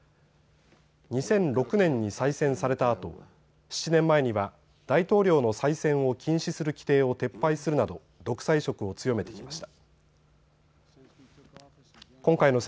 ２００６年に再選されたあと７年前には、大統領の再選を禁止する規定を撤廃するなど独裁色を強めてきました。